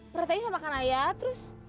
perhatian sama kanaya terus